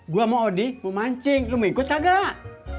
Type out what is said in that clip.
gua mau odik mau mancing lu mau ikut kagak